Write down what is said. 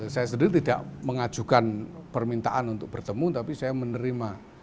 saya sendiri tidak mengajukan permintaan untuk bertemu tapi saya menerima